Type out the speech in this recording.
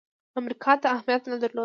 امریکا ته اهمیت نه درلود.